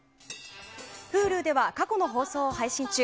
Ｈｕｌｕでは過去の放送を配信中。